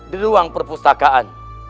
di ruang perpustakaan